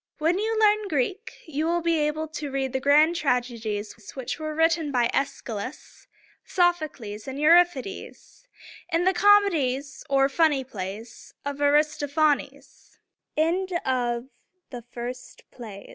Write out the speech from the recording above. When you learn Greek, you will be able to read the grand tragedies which were written by Æs´chy lus, Soph´o cles, and Eu rip´i des, and the comedies or funny plays of Ar is toph´a nes. XXXV